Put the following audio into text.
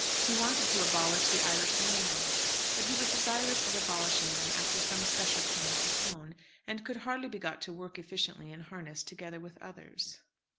He wanted to abolish the Irish landlords, but he was desirous of abolishing them after some special plan of his own, and could hardly be got to work efficiently in harness together with others.